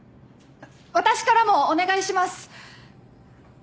あっ私からもお願いします。